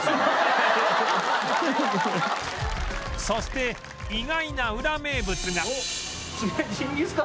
そして意外なウラ名物が